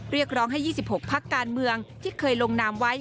เรียกร้องให้๒๖พักการเมืองที่เคยลงนามไว้